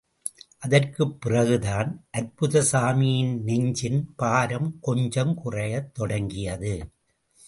அதற்குப் பிறகுதான் அற்புதசாமியின் நெஞ்சின் பாரம், கொஞ்சம் குறையத் தொடங்கியது.